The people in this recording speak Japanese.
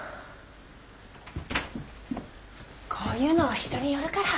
こういうのは人によるから。